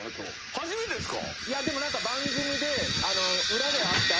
初めてですよ。